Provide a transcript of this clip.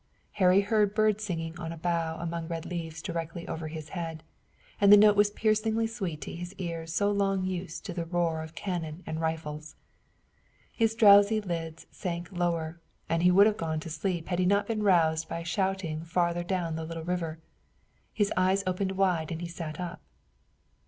Harry heard a bird singing on a bough among red leaves directly over his head, and the note was piercingly sweet to ears used so long to the roar of cannon and rifles. His drowsy lids sank lower and he would have gone to sleep had he not been roused by a shouting farther down the little river. His eyes opened wide and he sat up.